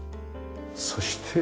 そして。